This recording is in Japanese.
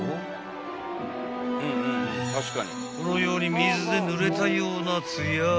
［このように水でぬれたような］